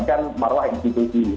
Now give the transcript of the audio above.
terutama untuk pembahasan kepolisian